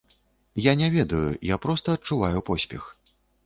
Я не ведаю, я проста адчуваю поспех.